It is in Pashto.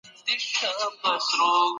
دا یو سپېڅلی دود و چي له پلرونو پاته و.